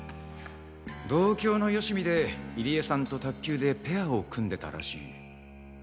同郷のよしみで入江さんと卓球でペアを組んでたらしい。